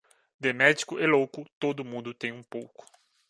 De médico e louco, todo mundo tem um pouco